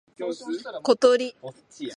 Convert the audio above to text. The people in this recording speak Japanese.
ことり